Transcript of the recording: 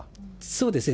そうですね。